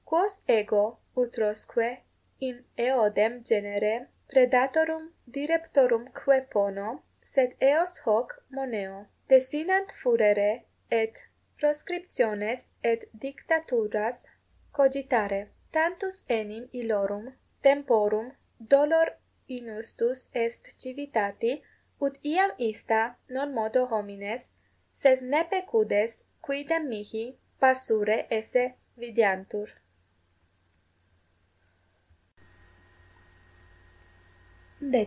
Quos ego utrosque in eodem genere praedatorum direptorumque pono, sed eos hoc moneo: desinant furere et proscriptiones et dictaturas cogitare. Tantus enim illorum temporum dolor inustus est civitati, ut iam ista non modo homines, sed ne pecudes quidem mihi passurae esse videantur.